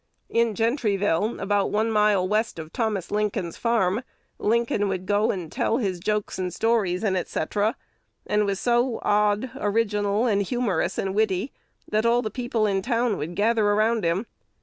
In Gentryville, about one mile west of Thomas Lincoln's farm, Lincoln would go and tell his jokes and stories, &c., and was so odd, original, and humorous and witty, that all the people in town would gather around him.